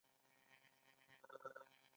موبایل ته باید د اړتیا وړ شیان ښکته کړو.